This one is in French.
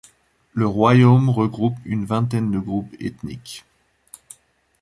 Le royaume regroupe une vingtaine de groupes ethniques.